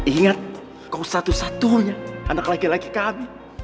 ingat kau satu satunya anak laki laki kami